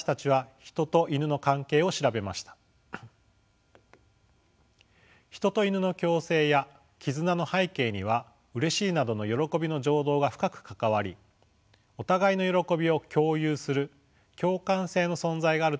ヒトとイヌの共生や絆の背景にはうれしいなどの喜びの情動が深く関わりお互いの喜びを共有する共感性の存在があると考えられています。